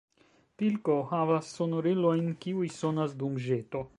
Pilko havas sonorilojn kiuj sonas dum ĵeto.